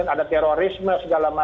ada terorisme segala macam